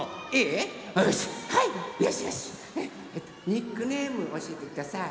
ニックネームおしえてください。